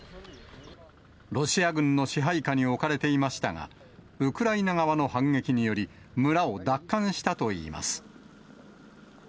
ロシア軍の支配下に置かれていましたが、ウクライナ側の反撃により、村を奪還したといいます。